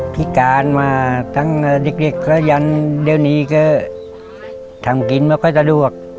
พิการมาทั้งเด็กก็ยันเดี๋ยวนี้ก็ทำกินไม่ค่อยสะดวก